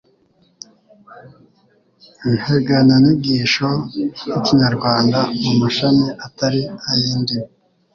integanyanyigisho y'ikinyarwanda mu mashami atari ay'indimi